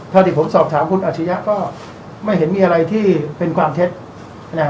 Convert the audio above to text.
ที่ผมสอบถามคุณอาชียะก็ไม่เห็นมีอะไรที่เป็นความเท็จนะ